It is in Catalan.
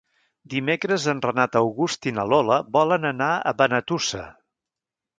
Dimecres en Renat August i na Lola volen anar a Benetússer.